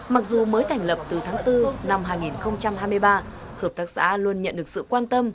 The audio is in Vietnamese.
mặc dù mới thành lập từ tháng bốn năm hai nghìn hai mươi ba hợp tác xã luôn nhận được sự quan tâm